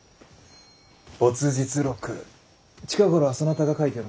没日録近頃はそなたが書いておるのか？